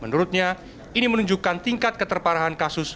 menurutnya ini menunjukkan tingkat keterparahan covid sembilan belas di jawa timur